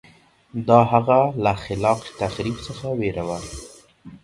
دا هغه له خلاق تخریب څخه وېره وه